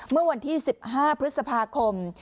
เมื่อวันที่๑๕พฤษภาคม